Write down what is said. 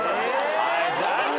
はい残念！